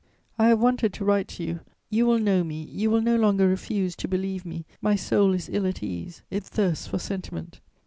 "I have wanted to write to you; you will know me, you will no longer refuse to believe me; my soul is ill at ease; it thirsts for sentiment.